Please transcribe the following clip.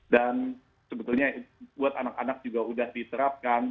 dan sebetulnya buat anak anak juga udah diterapkan